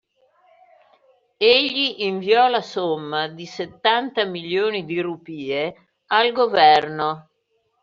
Egli inviò la somma di settanta milioni di rupie al governo.